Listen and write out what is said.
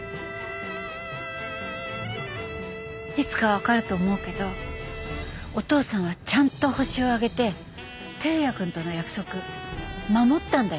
いつかわかると思うけどお父さんはちゃんとホシを挙げて輝也くんとの約束守ったんだよ。